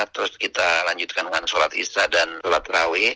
terus kita lanjutkan dengan sholat isya dan sholat raweh